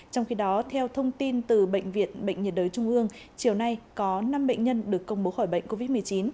trong khi đó theo thông tin từ bệnh viện bệnh nhiệt đới trung ương chiều nay có năm bệnh nhân được công bố khỏi bệnh covid một mươi chín